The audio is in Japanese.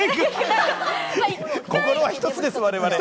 心は１つです、我々。